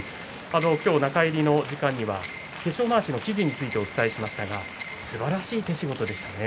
中入りの時間には化粧まわしの生地についてお伝えしましたがすばらしい手仕事でしたね。